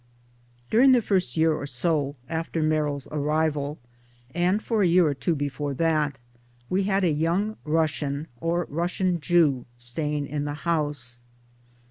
During the first year or so after Merrill's arrival, and for a year or two before that, we had a young Russian, or Russian Jew, staying in the house.